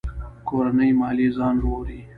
کورنۍ ماليې ځان ژغوري.